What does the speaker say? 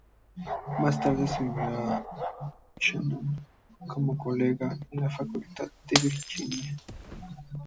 Más tarde se unió a Buchanan como colega en la facultad de Virginia.